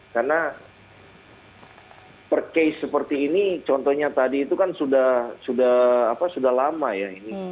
karena per kes seperti ini contohnya tadi itu kan sudah lama ya